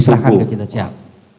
diserahkan ke kita siap